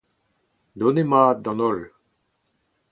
Donemat d'an holl !